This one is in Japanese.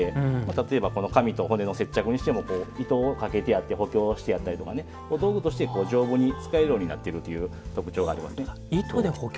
例えばこの紙と骨の接着にしても糸をかけてあって補強してあったりお道具として丈夫に使えるようになっているという特徴があります。